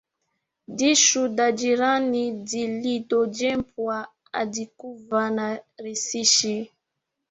Dhichu dha jirani dhilidhojepwa hadhikuva na risichi